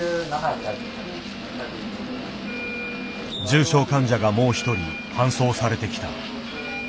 重症患者がもう１人搬送されてきた。